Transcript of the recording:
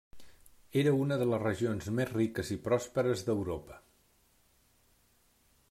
Era una de les regions més riques i pròsperes d'Europa.